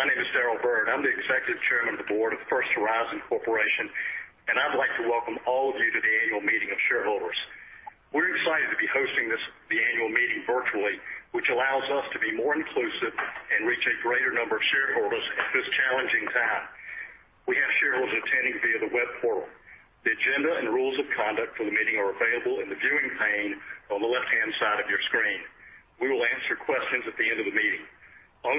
Good morning. My name is Daryl Byrd. I am Executive Chairman of the Board First Horizon Corporation. We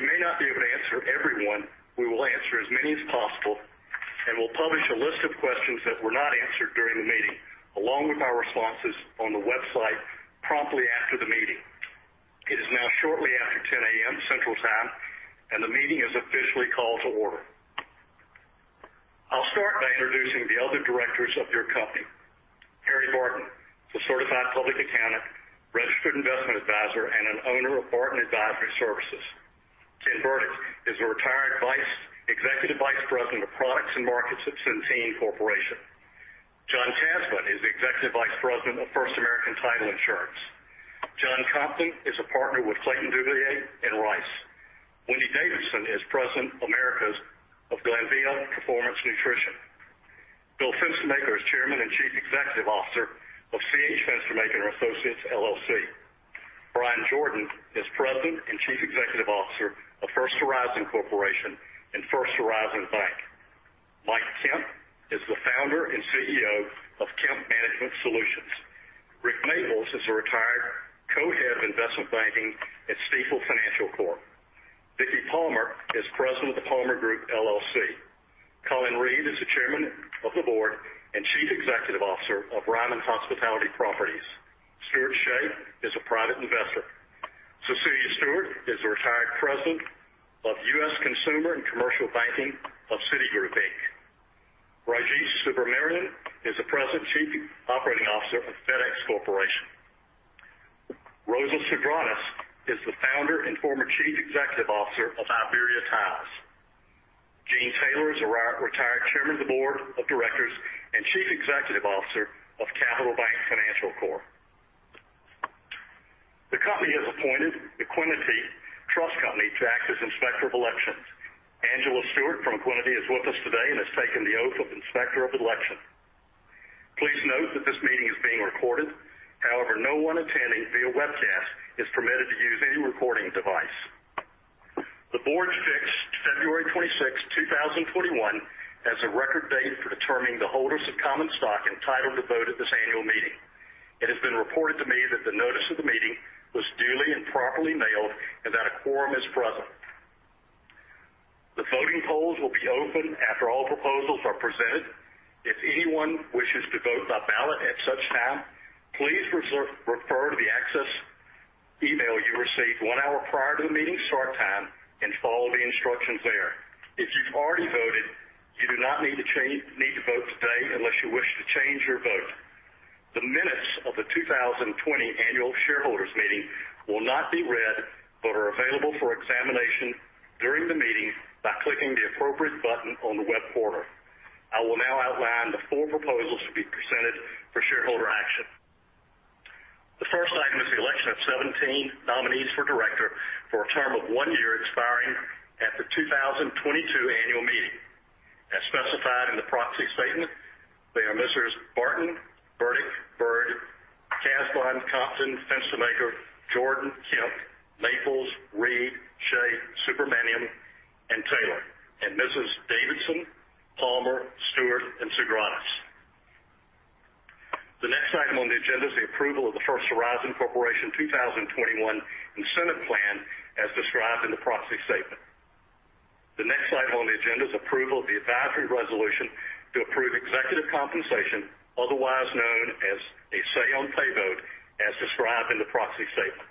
may not be able to answer everyone, we will answer as many as possible, and we'll publish a list of questions that were not answered during the meeting, along with our responses on the website promptly after the meeting. It is now shortly after 10:00 A.M. Central Time, the meeting is officially called to order. I'll start by introducing the other directors of your company. Harry Barton is a certified public accountant, registered investment advisor, and an owner of Barton Advisory Services. Tim Burdick is a retired Executive Vice President of Products and Markets at Centene Corporation. John Casbon is the Executive Vice President of First American Title Insurance. John Compton is a partner with Clayton, Dubilier & Rice. Wendy Davidson is President, Americas of Glanbia Performance Nutrition. Bill Fenstermaker is Chairman and Chief Executive Officer of C. H. Fenstermaker & Associates, L.L.C. Bryan Jordan is President and Chief Executive Officer of First Horizon Corporation and First Horizon Bank. Mike Kemp is the founder and CEO of Kemp Management Solutions. Rick E. Maples is a retired Co-Head of Investment Banking at Stifel Financial Corp. Vicki R. Palmer is President of The Palmer Group, LLC. Colin V. Reed is the Chairman of the Board and Chief Executive Officer of Ryman Hospitality Properties. Stuart Shea is a private investor. Cecilia Stewart is a retired President of US Consumer and Commercial Banking of Citigroup, Inc. Rajesh Subramaniam is the President and Chief Operating Officer of FedEx Corporation. Rosa Sugranes is the founder and former Chief Executive Officer of Iberia Tiles. R. Eugene Taylor, Jr. is a retired Chairman of the Board of Directors and Chief Executive Officer of Capital Bank Financial Corp. The company has appointed Equiniti Trust Company to act as Inspector of Elections. Angela Stewart from Equiniti is with us today and has taken the oath of Inspector of Election. Please note this meeting is being recorded. However, no one attending via webcast is permitted to use any recording device. The board fixed February 26, 2021, as a record date for determining the holders of common stock entitled to vote at this annual meeting. It has been reported to me that the notice of the meeting was duly and properly mailed and that a quorum is present. The voting polls will be open after all proposals are presented. If anyone wishes to vote by ballot at such time, please refer to the access email you received one hour prior to the meeting start time and follow the instructions there. If you've already voted, you do not need to vote today unless you wish to change your vote. The minutes of the 2020 annual shareholders meeting will not be read but are available for examination during the meeting by clicking the appropriate button on the web portal. I will now outline the four proposals to be presented for shareholder action. The first item is the election of 17 nominees for director for a term of one year expiring at the 2022 annual meeting. As specified in the proxy statement, they are Messrs. Barton, Burdick, Byrd, Casbon, Compton, Fenstermaker, Jordan, Kemp, Maples, Reed, Shea, Subramaniam, and Taylor, and Mrs. Davidson, Palmer, Stewart, and Sugranes. The next item on the agenda is the approval of the First Horizon Corporation 2021 Incentive Plan as described in the proxy statement. The next item on the agenda is approval of the advisory resolution to approve executive compensation, otherwise known as a say on pay vote as described in the proxy statement.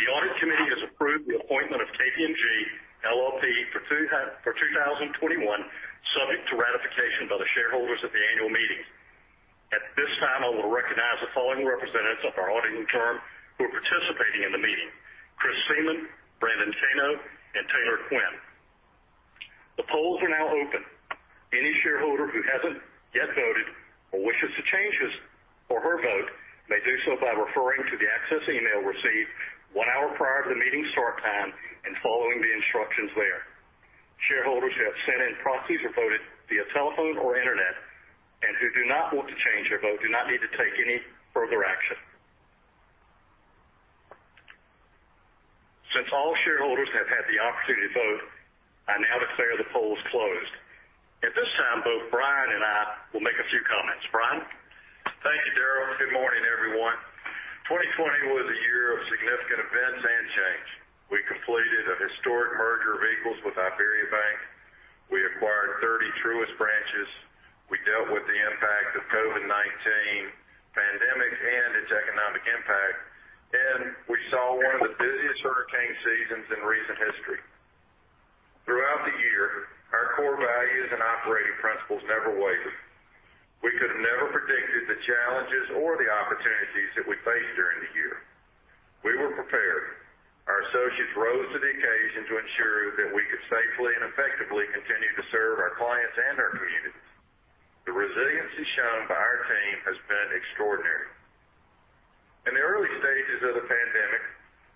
The audit committee has approved the appointment of KPMG LLP for 2021, subject to ratification by the shareholders at the annual meeting. At this time, I will recognize the following representatives of our auditing firm who are participating in the meeting. Chris Freeman, Brandon Keno, and Taylor Quinn. The polls are now open. Any shareholder who hasn't yet voted or wishes to change his or her vote may do so by referring to the access email received one hour prior to the meeting start time and following the instructions there. Shareholders who have sent in proxies or voted via telephone or internet and who do not want to change their vote do not need to take any further action. Since all shareholders have had the opportunity to vote, I now declare the polls closed. At this time, both Bryan and I will make a few comments. Bryan? Thank you, Daryl. Good morning, everyone. 2020 was a year of significant events and change. We completed a historic merger of equals with IBERIABANK. We acquired 30 Truist branches. We dealt with the impact of COVID-19 pandemic and its economic impact, and we saw one of the busiest hurricane seasons in recent history. Throughout the year, our core values and operating principles never wavered. We could have never predicted the challenges or the opportunities that we faced during the year. We were prepared. Our associates rose to the occasion to ensure that we could safely and effectively continue to serve our clients and our communities. The resiliency shown by our team has been extraordinary. In the early stages of the pandemic,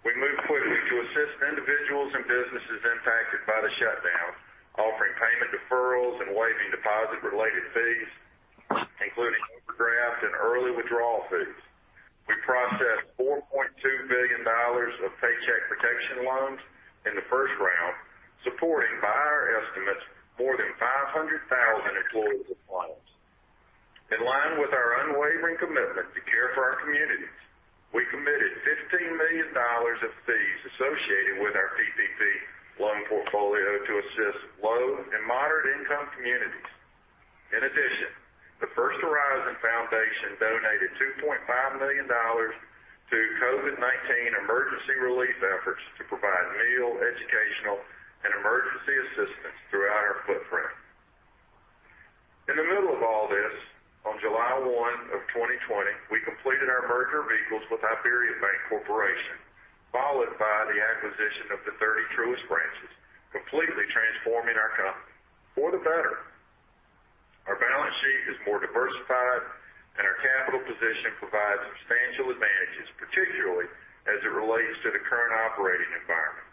we moved quickly to assist individuals and businesses impacted by the shutdown, offering payment deferrals and waiving deposit related fees, including overdraft and early withdrawal fees. We processed $4.2 billion of paycheck protection loans in the first round, supporting, by our estimates, more than 500,000 employees of clients. In line with our unwavering commitment to care for our communities, we committed $15 million of fees associated with our PPP loan portfolio to assist low and moderate income communities. The First Horizon Foundation donated $2.5 million to COVID-19 emergency relief efforts to provide meal, educational, and emergency assistance throughout our footprint. In the middle of all this, on July 1 of 2020, we completed our merger of equals with IBERIABANK Corporation, followed by the acquisition of the 30 Truist branches, completely transforming our company for the better. Our balance sheet is more diversified and our capital position provides substantial advantages, particularly as it relates to the current operating environment.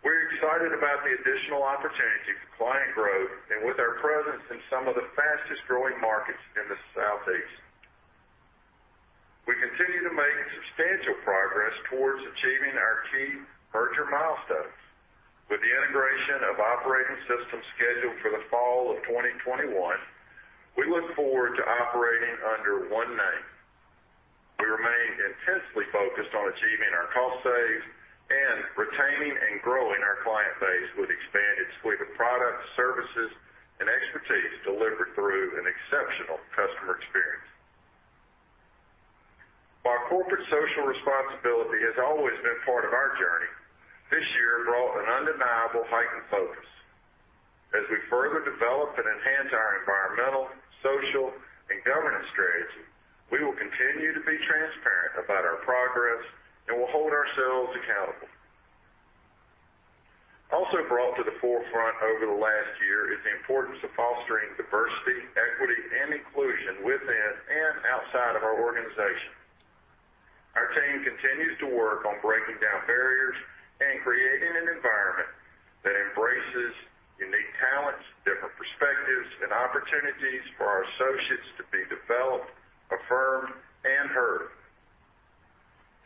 We're excited about the additional opportunity for client growth, and with our presence in some of the fastest growing markets in the Southeast. We continue to make substantial progress towards achieving our key merger milestones. With the integration of operating systems scheduled for the fall of 2021, we look forward to operating under one name. We remain intensely focused on achieving our cost saves and retaining and growing our client base with expanded suite of products, services, and expertise delivered through an exceptional customer experience. While corporate social responsibility has always been part of our journey, this year brought an undeniable heightened focus. As we further develop and enhance our environmental, social, and governance strategy, we will continue to be transparent about our progress and will hold ourselves accountable. Also brought to the forefront over the last year is the importance of fostering diversity, equity, and inclusion within and outside of our organization. Our team continues to work on breaking down barriers and creating an environment that embraces unique talents, different perspectives, and opportunities for our associates to be developed, affirmed, and heard.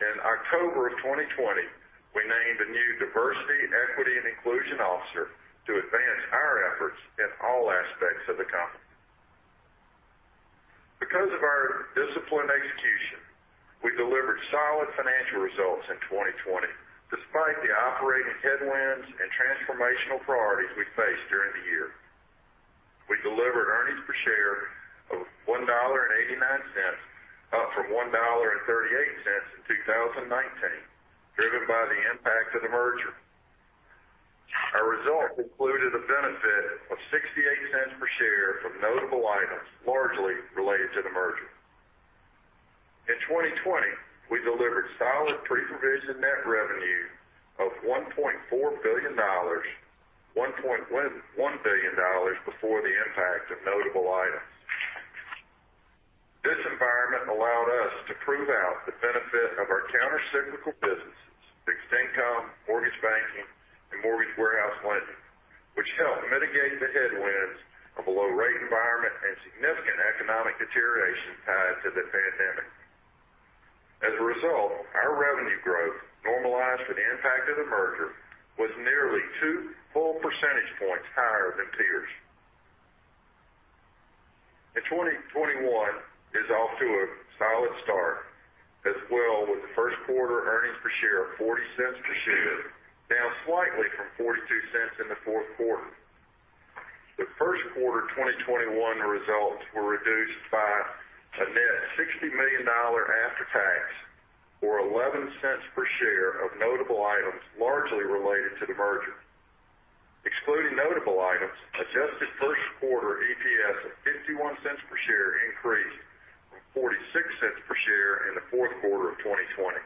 In October of 2020, we named a new Diversity, Equity, and Inclusion Officer to advance our efforts in all aspects of the company. Because of our disciplined execution, we delivered solid financial results in 2020, despite the operating headwinds and transformational priorities we faced during the year. We delivered earnings per share of $1.89, up from $1.38 in 2019, driven by the impact of the merger. Our results included a benefit of $0.68 per share from notable items, largely related to the merger. In 2020, we delivered solid pre-provision net revenue of $1.4 billion, $1.1 billion before the impact of notable items. This environment allowed us to prove out the benefit of our countercyclical businesses, fixed income, mortgage banking, and mortgage warehouse lending, which helped mitigate the headwinds of a low rate environment and significant economic deterioration tied to the pandemic. As a result, our revenue growth, normalized for the impact of the merger, was nearly two full percentage points higher than peers. 2021 is off to a solid start as well, with the first quarter earnings per share of $0.40 per share, down slightly from $0.42 in the fourth quarter. The first quarter 2021 results were reduced by a net $60 million after tax, or $0.11 per share of notable items, largely related to the merger. Excluding notable items, adjusted first quarter EPS of $0.51 per share increased from $0.46 per share in the fourth quarter of 2020.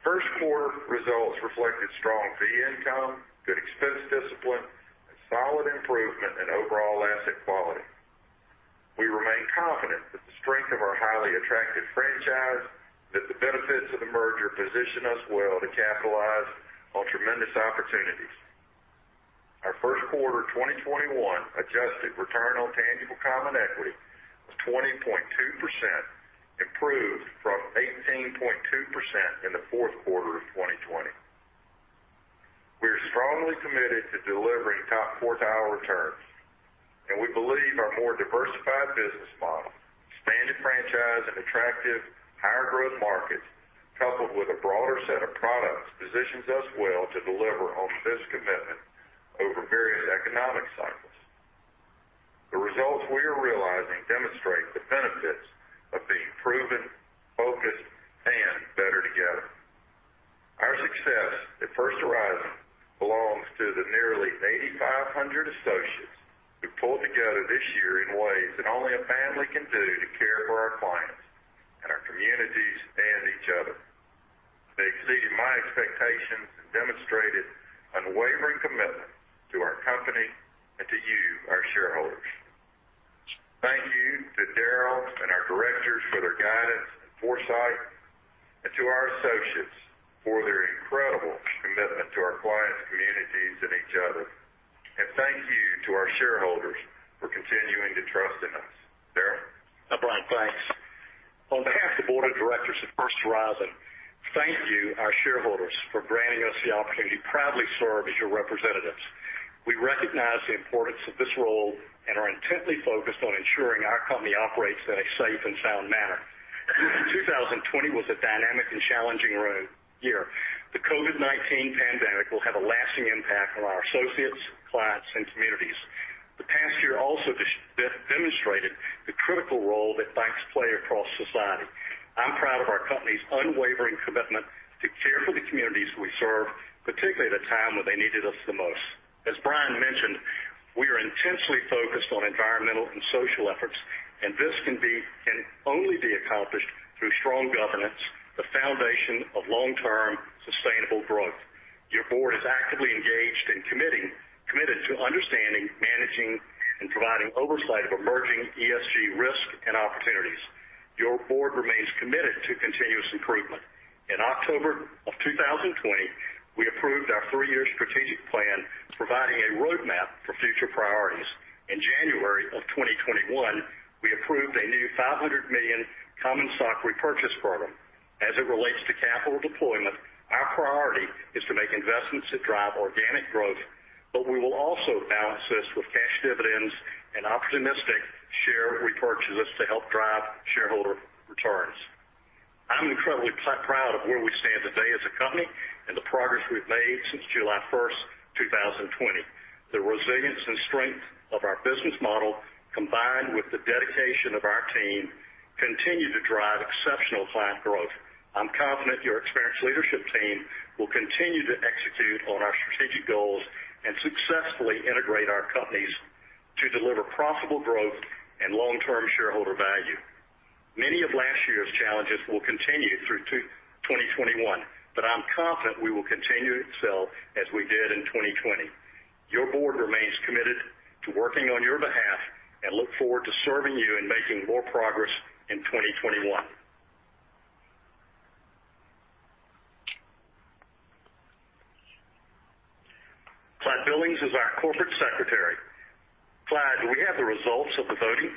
First quarter results reflected strong fee income, good expense discipline, and solid improvement in overall asset quality. We remain confident that the strength of our highly attractive franchise, that the benefits of the merger position us well to capitalize on tremendous opportunities. Our first quarter 2021 adjusted return on tangible common equity of 20.2% improved from 18.2% in the fourth quarter of 2020. We are strongly committed to delivering top quartile returns, and we believe our more diversified business model, expanded franchise and attractive higher growth markets, coupled with a broader set of products, positions us well to deliver on this commitment over various economic cycles. The results we are realizing demonstrate the benefits of being proven, focused, and better together. Our success at First Horizon belongs to the nearly 8,500 associates who pulled together this year in ways that only a family can do to care for our clients and our communities and each other. They exceeded my expectations and demonstrated unwavering commitment to our company and to you, our shareholders. Thank you to Daryl and our directors for their guidance and foresight, and to our associates for their incredible commitment to our clients, communities, and each other. Thank you to our shareholders for continuing to trust in us. Daryl? Bryan, thanks. On behalf of the board of directors at First Horizon, thank you, our shareholders, for granting us the opportunity to proudly serve as your representatives. We recognize the importance of this role and are intently focused on ensuring our company operates in a safe and sound manner. 2020 was a dynamic and challenging year. The COVID-19 pandemic will have a lasting impact on our associates, clients, and communities. The past year also demonstrated the critical role that banks play across society. I'm proud of our company's unwavering commitment to care for the communities we serve, particularly at a time when they needed us the most. As Bryan mentioned, we are intensely focused on environmental and social efforts, and this can only be accomplished through strong governance, the foundation of long-term sustainable growth. Your board is actively engaged and committed to understanding, managing, and providing oversight of emerging ESG risks and opportunities. Your board remains committed to continuous improvement. In October of 2020, we approved our three-year strategic plan, providing a roadmap for future priorities. In January of 2021, we approved a new $500 million common stock repurchase program. As it relates to capital deployment, our priority is to make investments that drive organic growth, but we will also balance this with cash dividends and opportunistic share repurchases to help drive shareholder returns. I'm incredibly proud of where we stand today as a company and the progress we've made since July 1st, 2020. The resilience and strength of our business model, combined with the dedication of our team, continue to drive exceptional client growth. I'm confident your experienced leadership team will continue to execute on our strategic goals and successfully integrate our companies to deliver profitable growth and long-term shareholder value. Many of last year's challenges will continue through 2021. I'm confident we will continue to excel as we did in 2020. Your board remains committed to working on your behalf and look forward to serving you in making more progress in 2021. Clyde Billings is our Corporate Secretary. Clyde, do we have the results of the voting?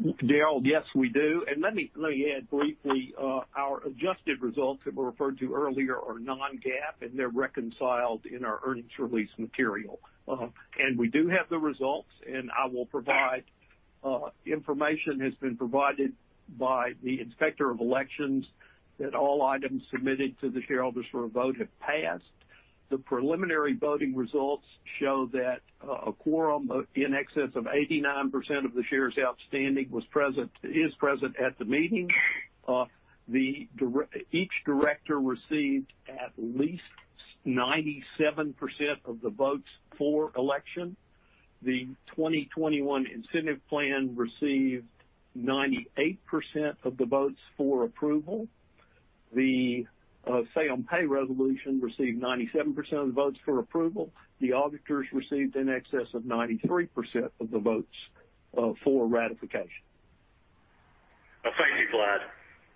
Daryl, yes, we do. Let me add briefly, our adjusted results that were referred to earlier are non-GAAP, and they're reconciled in our earnings release material. We do have the results, and I will provide. Information has been provided by the Inspector of Elections that all items submitted to the shareholders for a vote have passed. The preliminary voting results show that a quorum in excess of 89% of the shares outstanding is present at the meeting. Each director received at least 97% of the votes for election. The First Horizon Corporation 2021 Incentive Plan received 98% of the votes for approval. The say on pay resolution received 97% of the votes for approval. The auditors received in excess of 93% of the votes for ratification. Thank you, Clyde.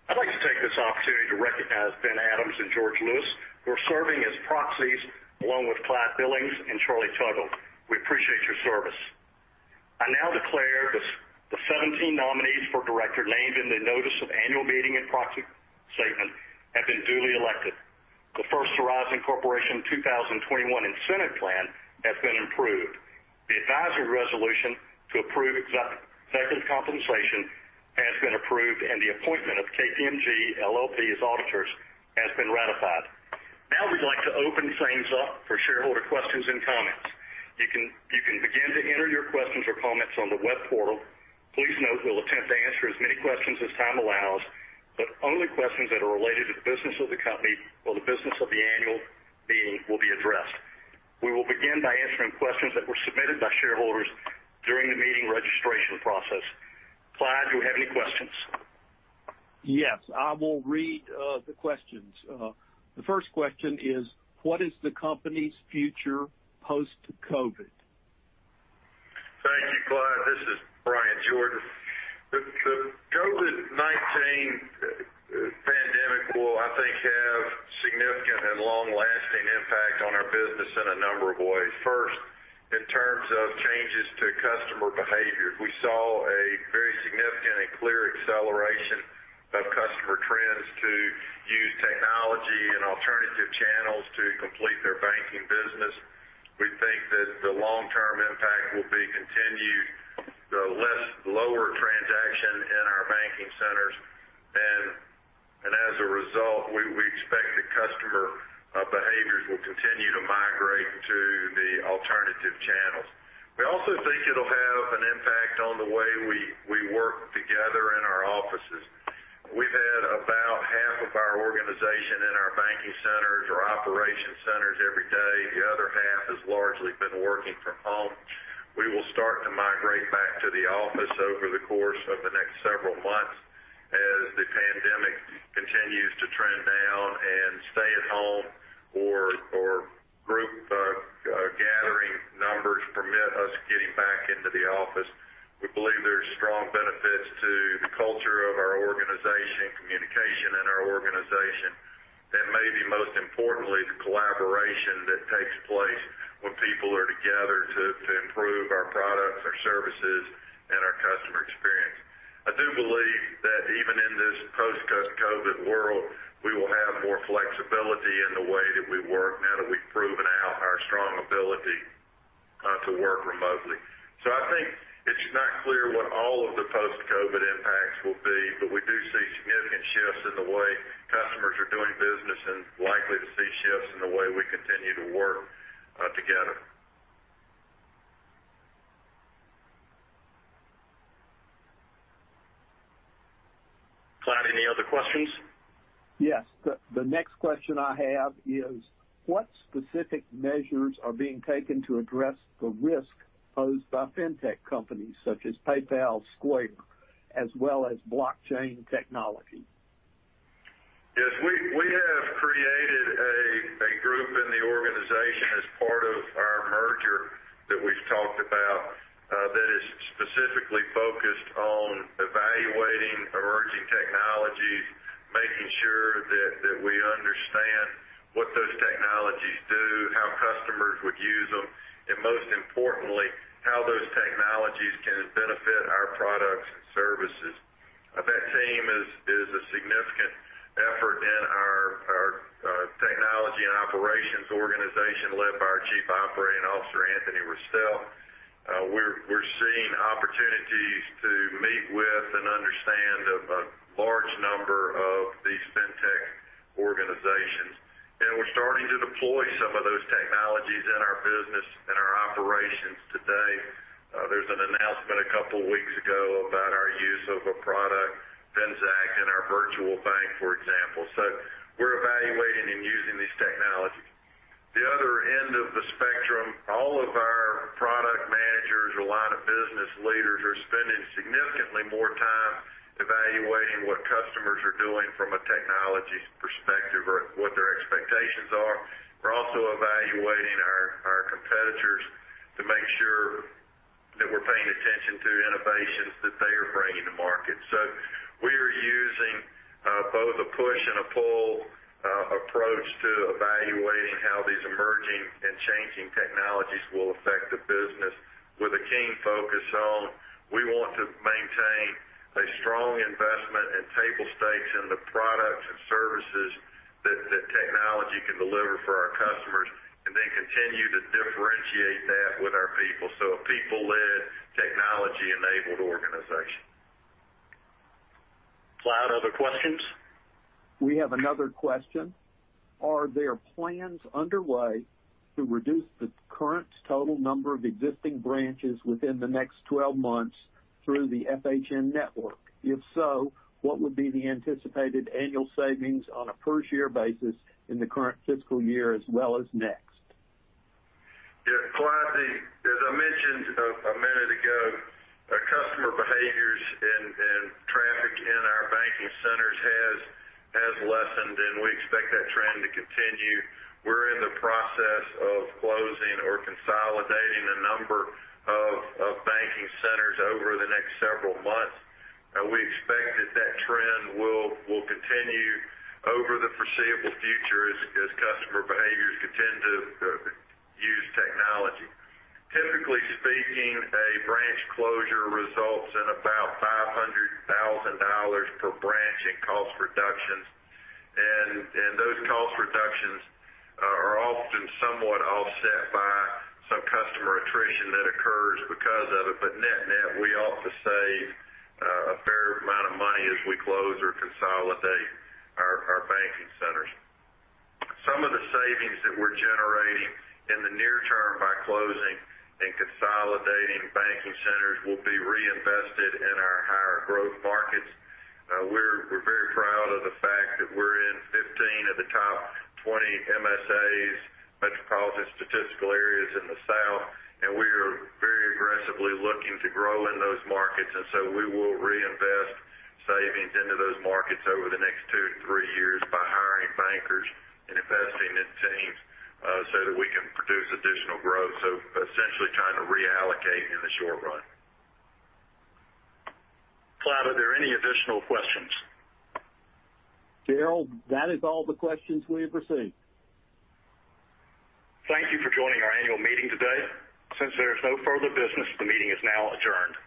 I'd like to take this opportunity to recognize Ben Adams and George Lewis, who are serving as proxies along with Clyde Billings and Charlie Tuggle. We appreciate your service. I now declare the 17 nominees for director named in the notice of annual meeting and proxy statement have been duly elected. The First Horizon Corporation 2021 Incentive Plan has been approved. The advisory resolution to approve executive compensation has been approved, and the appointment of KPMG LLP as auditors has been ratified. Now we'd like to open things up for shareholder questions and comments. You can begin to enter your questions or comments on the web portal. Please note we'll attempt to answer as many questions as time allows, but only questions that are related to the business of the company or the business of the annual meeting will be addressed. We will begin by answering questions that were submitted by shareholders during the meeting registration process. Clyde, do we have any questions? Yes, I will read the questions. The first question is, what is the company's future post-COVID? Thank you, Clyde. This is Bryan Jordan. The COVID-19 pandemic will, I think, have a significant and long-lasting impact on our business in a number of ways. First, in terms of changes to customer behavior, we saw a very significant and clear acceleration of customer trends to use technology and alternative channels to complete their banking business. We think that the long-term impact will be continued, the less lower transaction in our banking centers. As a result, we expect the customer behaviors will continue to migrate to the alternative channels. We also think it'll have an impact on the way we work together in our offices. We've had about half in our banking centers or operation centers every day. The other half has largely been working from home. We will start to migrate back to the office over the course of the next several months as the pandemic continues to trend down and stay at home or group gathering numbers permit us getting back into the office. We believe there's strong benefits to the culture of our organization, communication in our organization, and maybe most importantly, the collaboration that takes place when people are together to improve our products, our services, and our customer experience. I do believe that even in this post-COVID world, we will have more flexibility in the way that we work now that we've proven our strong ability to work remotely. I think it's not clear what all of the post-COVID impacts will be, but we do see significant shifts in the way customers are doing business and likely to see shifts in the way we continue to work together. Clyde, any other questions? Yes. The next question I have is, what specific measures are being taken to address the risk posed by fintech companies such as PayPal, Square, as well as blockchain technology? Yes, we have created a group in the organization as part of our merger that we've talked about, that is specifically focused on evaluating emerging technologies, making sure that we understand what those technologies do, how customers would use them, and most importantly, how those technologies can benefit our products and services. That team is a significant effort in our technology and operations organization led by our Chief Operating Officer, Anthony Restel. We're seeing opportunities to meet with and understand a large number of these fintech organizations. We're starting to deploy some of those technologies in our business and our operations today. There's an announcement a couple weeks ago about our use of a product, Finxact, in our virtual bank, for example. We're evaluating and using these technologies. The other end of the spectrum, all of our product managers or line of business leaders are spending significantly more time evaluating what customers are doing from a technology perspective or what their expectations are. We're also evaluating our competitors to make sure that we're paying attention to innovations that they are bringing to market. We are using both a push and a pull approach to evaluating how these emerging and changing technologies will affect the business with a keen focus on, we want to maintain a strong investment in table stakes in the products and services that technology can deliver for our customers, and then continue to differentiate that with our people. A people-led, technology-enabled organization. Clyde, other questions? We have another question. Are there plans underway to reduce the current total number of existing branches within the next 12 months through the FHN network? If so, what would be the anticipated annual savings on a per share basis in the current fiscal year as well as next? Yeah, Clyde, as I mentioned a minute ago, customer behaviors and traffic in our banking centers has lessened, and we expect that trend to continue. We're in the process of closing or consolidating a number of banking centers over the next several months. We expect that trend will continue over the foreseeable future as customer behaviors continue to use technology. Typically speaking, a branch closure results in about $500,000 per branch in cost reductions, and those cost reductions are often somewhat offset by some customer attrition that occurs because of it. Net net, we ought to save a fair amount of money as we close or consolidate our banking centers. Some of the savings that we're generating in the near term by closing and consolidating banking centers will be reinvested in our higher growth markets. We're very proud of the fact that we're in 15 of the top 20 MSAs, Metropolitan Statistical Areas in the South, and we are very aggressively looking to grow in those markets. We will reinvest savings into those markets over the next two to three years by hiring bankers and investing in teams so that we can produce additional growth. Essentially trying to reallocate in the short run. Clyde Billings, are there any additional questions? Daryl Byrd, that is all the questions we've received. Thank you for joining our annual meeting today. Since there is no further business, the meeting is now adjourned.